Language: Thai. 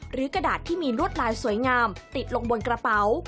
กระดาษที่มีลวดลายสวยงามติดลงบนกระเป๋า